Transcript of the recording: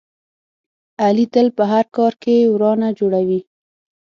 علي تل په هر کار کې ورانه جوړوي.